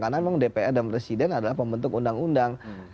karena memang dpr dan presiden adalah pembentuk undang undang